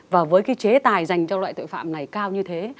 và với cái chế tài dành cho loại tội phạm này cao như thế